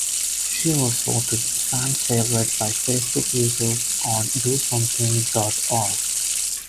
She was voted "Fan Favorite" by Facebook users on DoSomething dot org.